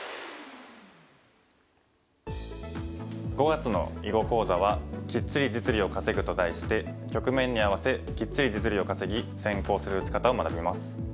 ５月の囲碁講座は「キッチリ実利を稼ぐ」と題して局面に合わせきっちり実利を稼ぎ先行する打ち方を学びます。